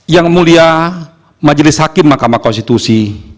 yang mulia majelis hakim mahkamah konstitusi